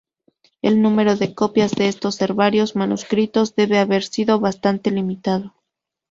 El número de copias de estos herbarios manuscritos debe haber sido bastante limitado.